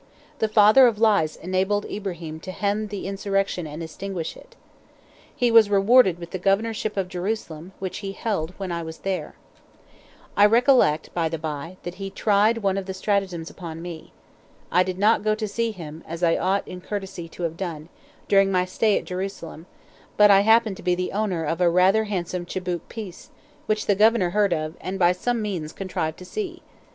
The "father of lies" enabled Ibrahim to hem in the insurrection and extinguish it. He was rewarded with the Governorship of Jerusalem, which he held when I was there. I recollect, by the bye, that he tried one of his stratagems upon me. I did not go to see him, as I ought in courtesy to have done, during my stay at Jerusalem; but I happened to be the owner of a rather handsome amber tchibouque piece, which the Governor heard of, and by some means contrived to see.